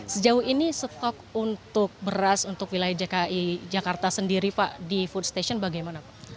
sejauh ini stok untuk beras untuk wilayah jakarta sendiri pak di food station bagaimana pak